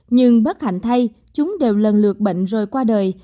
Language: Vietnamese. nhưng bất hạnh thay chúng đều lần lượt bệnh rồi qua đời